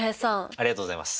ありがとうございます。